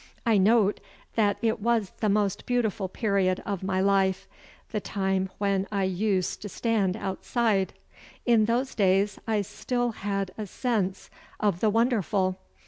I note that it was the most beautiful period of my life, the time when I used to stand outside. In those days I still had a sense of the wonderful.